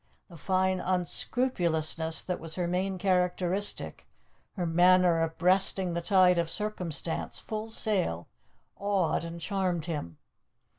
The fine unscrupulousness that was her main characteristic, her manner of breasting the tide of circumstance full sail, awed and charmed him.